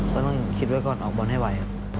ก็ต้องคิดไว้ก่อนออกบอลให้ไวครับ